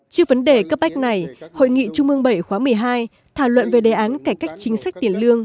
trước vấn đề cấp bách này hội nghị trung ương bảy khóa một mươi hai thảo luận về đề án cải cách chính sách tiền lương